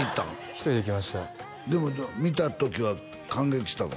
１人で行きましたでも見た時は感激したの？